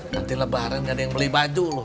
nanti lebaran ada yang beli baju loh